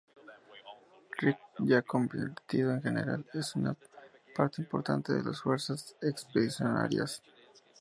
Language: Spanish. Rick, ya convertido en General, es una parte importante de las Fuerzas Expedicionarias.